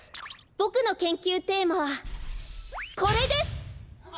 ボクの研究テーマはこれです！